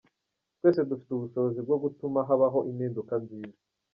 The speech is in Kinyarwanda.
Twese dufite ubushobozi bwo gutuma habaho impinduka nziza.